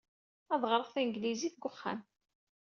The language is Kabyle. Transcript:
Ad ƔreƔ taneglizit deg wexxam.